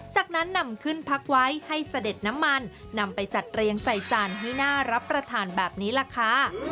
จากนั้นนำขึ้นพักไว้ให้เสด็จน้ำมันนำไปจัดเรียงใส่จานให้น่ารับประทานแบบนี้ล่ะค่ะ